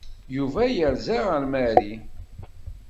Yuba yerza ar Mary.